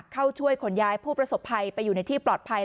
เข้าช่วยขนย้ายผู้ประสบภัยไปอยู่ในที่ปลอดภัย